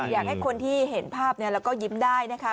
อยากให้คนที่เห็นภาพแล้วก็ยิ้มได้นะคะ